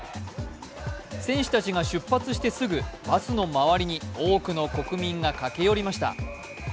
選手たちが出発してすぐ、バスの周りに多くの国民が駆け寄りました。